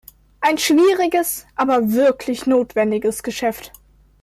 Ein schwieriges, aber wirklich notwendiges Geschäft.